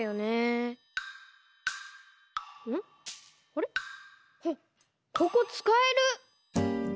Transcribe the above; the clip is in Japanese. おっここつかえる！